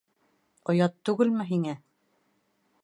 Оят түгелме һиңә?